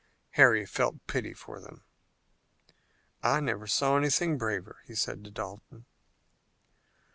Harry felt pity for them. "I never saw anything braver," he said to Dalton.